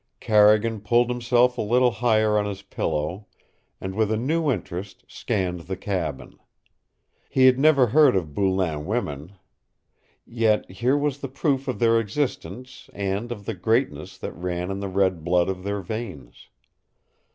Carrigan pulled himself a little higher on his pillow and with a new interest scanned the cabin. He had never heard of Boulain women. Yet here was the proof of their existence and of the greatness that ran in the red blood of their veins.